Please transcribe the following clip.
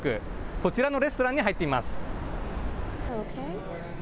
こちらのレストランに入ってみます。